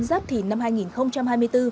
giáp thì năm hai nghìn hai mươi bốn